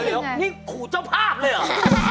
เดี๋ยวนี่ขู่เจ้าภาพเลยเหรอ